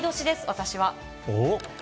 私は。